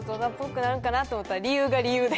理由が理由で。